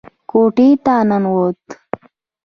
کوټې ته ننوت.